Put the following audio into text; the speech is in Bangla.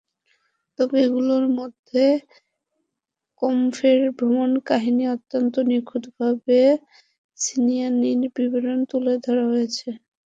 তবে এগুলোর মধ্যে কাম্পফের ভ্রমণকাহিনিতে অত্যন্ত নিখুঁতভাবে সিনেযানির বিবরণ তুলে ধরা হয়েছে।